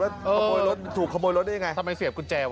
คุณผู้ชมเจริญว่าถูกขโมยรถได้นะไง